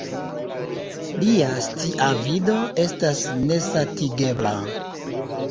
Lia sciavido estas nesatigebla.